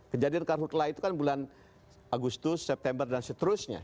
kejadian karhutlah itu kan bulan agustus september dan seterusnya